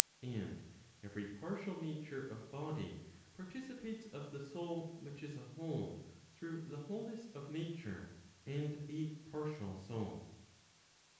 And every partial nature of body participates of the soul which is a whole through the wholeness of nature, and a partial soul.